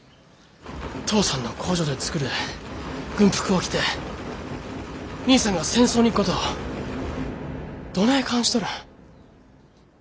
父さんの工場で作る軍服を着て兄さんが戦争に行くことをどねえ感じとるん。